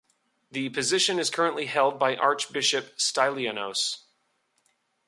The position is currently held by Archbishop Stylianos.